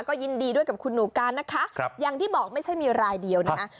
ก็ยินดีด้วยกับคุณหนูการนะคะอย่างที่บอกไม่ใช่มีรายเดียวนะคะ